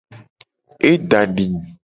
E da di.